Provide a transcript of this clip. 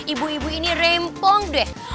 ibu ibu ini rempong deh